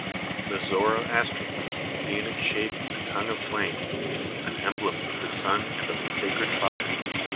The Zoroastrians see in its shape a tongue of flame, an emblem of the sun and of the sacred fire.